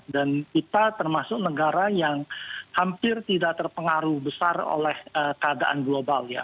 dan kita termasuk negara yang hampir tidak terpengaruh besar oleh keadaan global ya